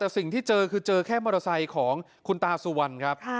แต่สิ่งที่เจอคือเจอแค่มอเตอร์ไซค์ของคุณตาสุวรรณครับ